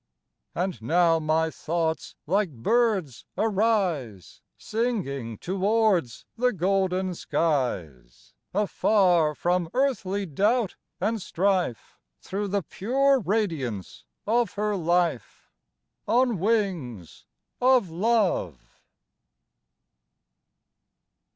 And now my thoughts, like birds, arise, Singing, towards the golden skies, Afar from earthly doubt and strife, Through the pure radiance of her life, On wings of love.